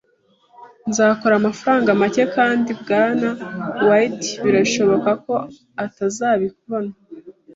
Nzakora amafaranga make kandi Bwana White birashoboka ko atazabibona.